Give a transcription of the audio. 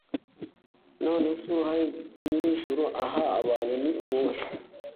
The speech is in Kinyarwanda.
none se uruhare nyir'ijuru aha abantu ni uruhe